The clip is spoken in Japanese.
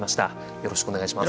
よろしくお願いします。